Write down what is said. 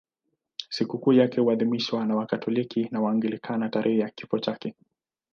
Sikukuu yake huadhimishwa na Wakatoliki na Waanglikana tarehe ya kifo chake.